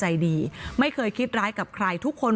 หนูจะให้เขาเซอร์ไพรส์ว่าหนูเก่ง